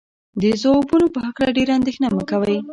د ځوابونو په هکله ډېره اندېښنه مه کوئ.